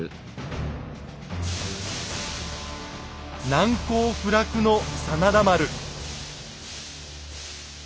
難攻不落の真田丸。